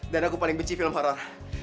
dan aku paling benci film horror